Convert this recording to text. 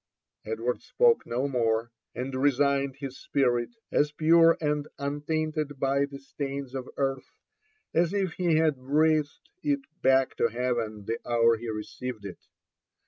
Edward spoke no more, and resigned his spirit as pure and un tainted by the stains of earth as if he had breathed it back to heaven the hour he received it.